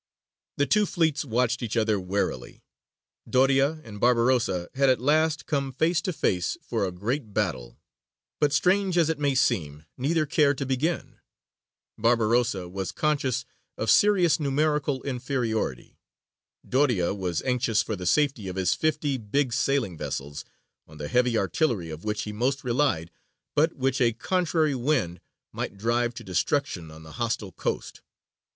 The two fleets watched each other warily. Doria and Barbarossa had at last come face to face for a great battle, but, strange as it may seem, neither cared to begin: Barbarossa was conscious of serious numerical inferiority; Doria was anxious for the safety of his fifty big sailing vessels, on the heavy artillery of which he most relied, but which a contrary wind might drive to destruction on the hostile coast.